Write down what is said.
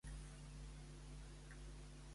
Qui esdevé reina d'Anglaterra?